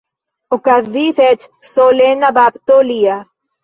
Okazis eĉ solena bapto lia.